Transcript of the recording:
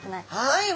はい。